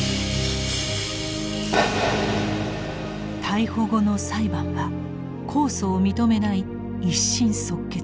逮捕後の裁判は控訴を認めない一審即決。